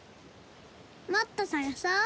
もっとさがそう！